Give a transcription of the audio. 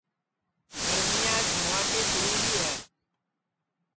گرمیاس بھوانٚٹی پھیری ری ہے